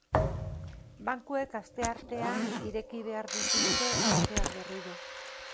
Bankuek asteartean ireki behar dituzte ateak berriro.